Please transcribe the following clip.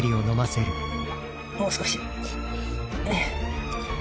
もう少し。